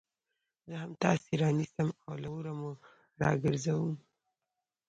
زه هم تاسي رانيسم او له اوره مو راگرځوم